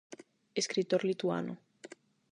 Escritor lituano.